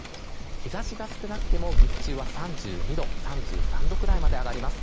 日差しが少なくても日中は３２度、３３度ぐらいまで上がります。